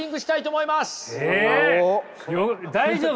大丈夫？